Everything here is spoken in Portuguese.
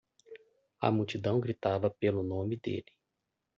A multidão gritava pelo nome dele.